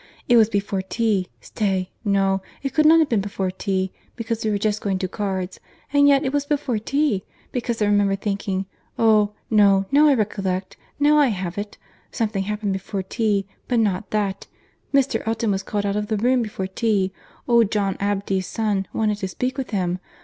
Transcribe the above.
It was before tea—stay—no, it could not be before tea, because we were just going to cards—and yet it was before tea, because I remember thinking—Oh! no, now I recollect, now I have it; something happened before tea, but not that. Mr. Elton was called out of the room before tea, old John Abdy's son wanted to speak with him.